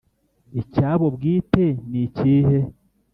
icyabo bwite n ikihe?